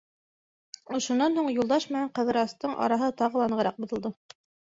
Ошонан һуң Юлдаш менән Ҡыҙырастың араһы тағы ла нығыраҡ боҙолдо.